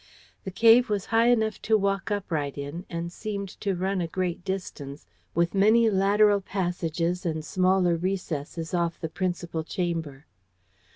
The cave was high enough to walk upright in, and seemed to run a great distance, with many lateral passages and smaller recesses off the principal chamber.